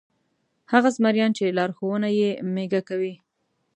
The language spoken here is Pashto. هغه زمریان چې لارښوونه یې مېږه کوي.